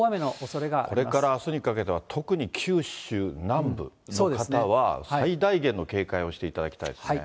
これからあすにかけては、特に九州南部の方は、最大限の警戒をしていただきたいですね。